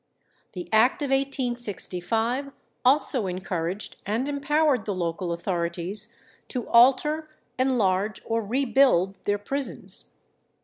The Act of 1865 also encouraged and empowered the local authorities to "alter, enlarge, or rebuild" their prisons.